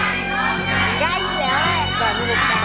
ลูกท่าน